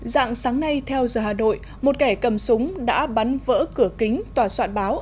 dạng sáng nay theo the hà đội một kẻ cầm súng đã bắn vỡ cửa kính tòa soạn báo